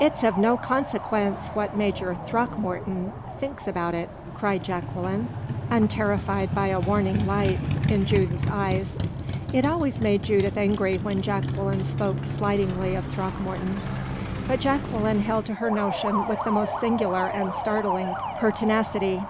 "It's of no consequence what Major Throckmorton thinks about it!" cried Jacqueline, unterrified by a warning light in Judith's eye it always made Judith angry when Jacqueline spoke slightingly of Throckmorton. But Jacqueline held to her notion with the most singular and startling pertinacity.